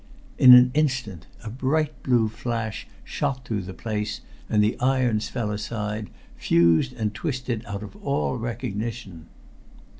In an instant a bright blue flash shot through the place, and the irons fell aside, fused and twisted out of all recognition.